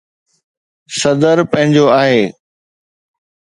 صدر پنهنجو آهي.